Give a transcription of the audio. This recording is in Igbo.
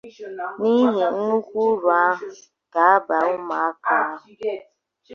n’ihi nnukwu úrù nke ahụ ga-abara ụmụaka ahụ